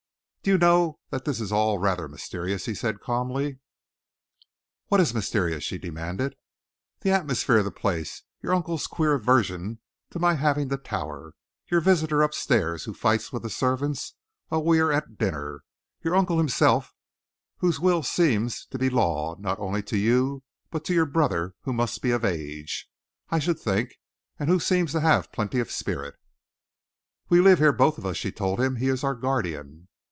"Do you know that this is all rather mysterious?" he said calmly. "What is mysterious?" she demanded. "The atmosphere of the place: your uncle's queer aversion to my having the Tower; your visitor up stairs, who fights with the servants while we are at dinner; your uncle himself, whose will seems to be law not only to you but to your brother, who must be of age, I should think, and who seems to have plenty of spirit." "We live here, both of us," she told him. "He is our guardian."